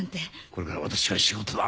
これから私は仕事だ。